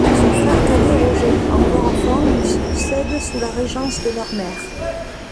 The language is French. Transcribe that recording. Son frère cadet Roger, encore enfant, lui succède sous la régence de leur mère.